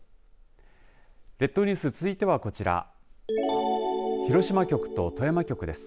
列島ニュース続いてはこちら広島局と富山局です。